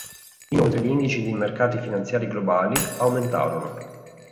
Inoltre, gli indici dei mercati finanziari globali aumentarono.